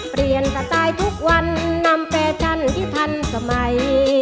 เปลี่ยนสะตายทุกวันนำแปลฉันที่ทันสมัย